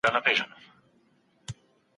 هغه د خپلي ميرمني سره داسي څه نه کول، چي ظلم وي.